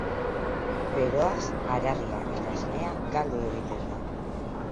Beroaz haragia eta esnea galdu egiten dira.